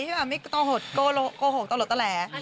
ที่กลโกหกตลอดตระแหล